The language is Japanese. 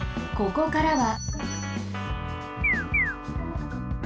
ここからは。